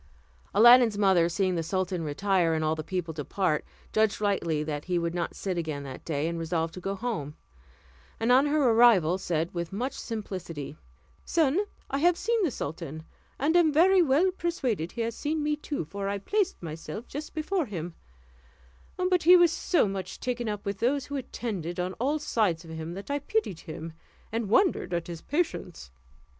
Aladdin's mother, seeing the sultan retire, and all the people depart, judged rightly that he would not sit again that day, and resolved to go home; and on her arrival said, with much simplicity, "Son, I have seen the sultan, and am very well persuaded he has seen me, too, for I placed myself just before him; but he was so much taken up with those who attended on all sides of him that I pitied him, and wondered at his patience.